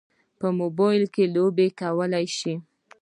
په موبایل کې لوبې کولی شو.